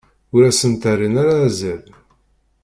Ur asent-rrin ara azal.